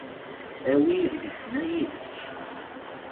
Awi idlisen-a yid-k.